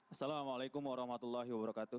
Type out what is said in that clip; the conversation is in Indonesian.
assalamu'alaikum warahmatullahi wabarakatuh